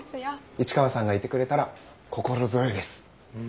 市川さんがいてくれたら心強いです。